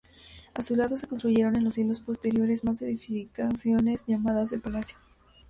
A su lado se construyeron en los siglos posteriores más edificaciones llamadas El Palacio.